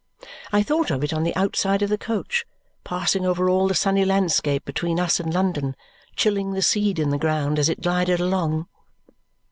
I thought of it on the outside of the coach, passing over all the sunny landscape between us and London, chilling the seed in the ground as it glided along.